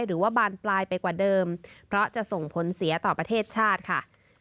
หรือว่าบานปลายไปกว่าเดิมเพราะจะส่งผลเสียต่อประเทศชาติค่ะ